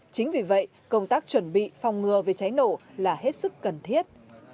chính vì vậy công tác chuẩn bị phòng ngừa về cháy nổ là hết sức cần thiết